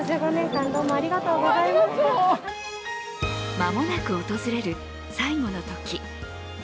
まもなく訪れる最後のとき。